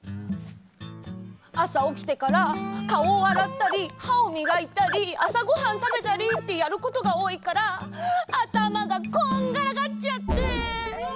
あさおきてからかおをあらったりはをみがいたりあさごはんたべたりってやることがおおいからあたまがこんがらがっちゃって。